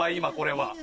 今これは。